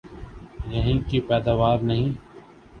یہیں کی پیداوار نہیں؟